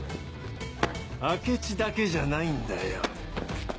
明智だけじゃないんだよ。